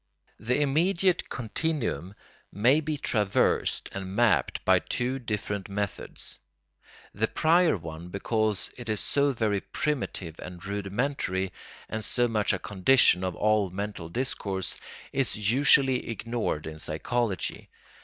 The immediate continuum may be traversed and mapped by two different methods. The prior one, because it is so very primitive and rudimentary, and so much a condition of all mental discourse, is usually ignored in psychology.